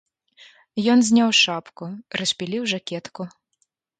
Ён зняў шапку, расшпіліў жакетку.